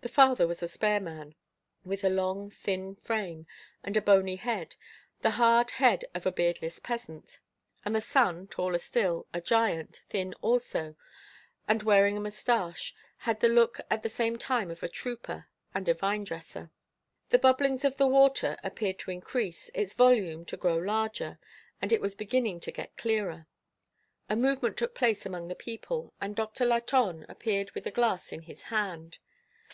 The father was a spare man, with a long, thin frame, and a bony head the hard head of a beardless peasant; and the son, taller still, a giant, thin also, and wearing a mustache, had the look at the same time of a trooper and a vinedresser. The bubblings of the water appeared to increase, its volume to grow larger, and it was beginning to get clearer. A movement took place among the people, and Doctor Latonne appeared with a glass in his hand.